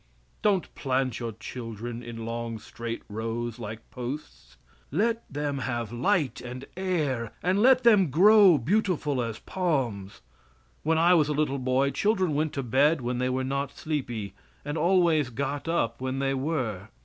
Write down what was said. Don't plant your children in long, straight rows like posts. Let them have light and air and let them grow beautiful as palms. When I was a little boy children went to bed when they were not sleepy, and always got up when they were.